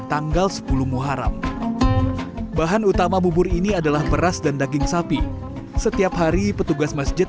tanggal sepuluh muharam bahan utama bubur ini adalah beras dan daging sapi setiap hari petugas masjid